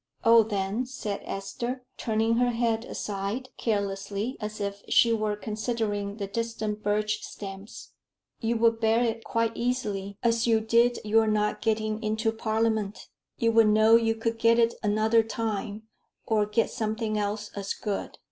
"Oh, then," said Esther, turning her head aside, carelessly, as if she were considering the distant birch stems, "you would bear it quite easily, as you did your not getting into Parliament. You would know you could get it another time or get something else as good."